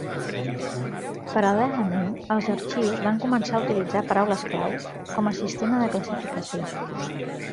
Paral·lelament els arxius van començar a utilitzar paraules clau com a sistema de classificació.